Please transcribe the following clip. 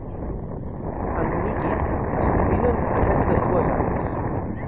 Amb Nyquist es combinen aquestes dues àrees.